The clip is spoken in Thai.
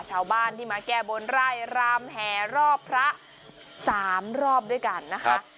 ชาวบ้านที่มาแก้บนไล่รามแห่รอบพระ๓รอบด้วยกันนะคะ